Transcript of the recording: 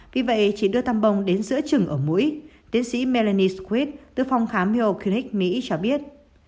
vì vậy chỉ đưa tăm bông đến giữa trừng ở mũi tiến sĩ melanie swift từ phòng khám hyokunic mỹ cho biết